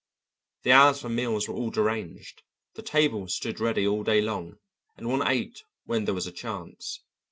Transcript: The hours for meals were all deranged, the table stood ready all day long, and one ate when there was a chance.